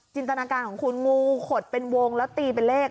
ตนาการของคุณงูขดเป็นวงแล้วตีเป็นเลข